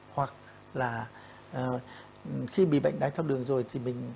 hoặc là khi bị bệnh đái theo đường rồi thì mình